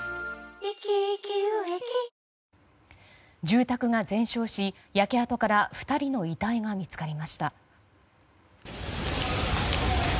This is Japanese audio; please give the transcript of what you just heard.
住宅が全焼し焼け跡から２人の遺体が見つかりました。